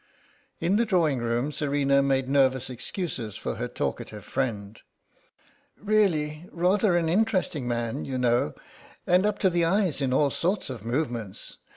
In the drawing room Serena made nervous excuses for her talkative friend. "Really, rather an interesting man, you know, and up to the eyes in all sorts of movements.